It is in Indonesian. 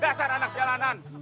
dasar anak jalanan